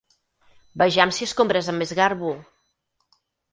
Vejam si escombres amb més garbo!